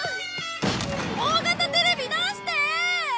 大型テレビ出して！